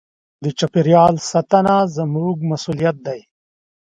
د چاپېریال ساتنه زموږ مسوولیت دی.